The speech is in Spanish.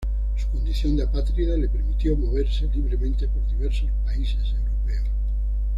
Su condición de apátrida le permitió moverse libremente por diversos países europeos.